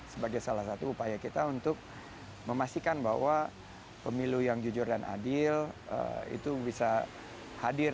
sebagai salah satu upaya kita untuk memastikan bahwa pemilu yang jujur dan adil itu bisa hadir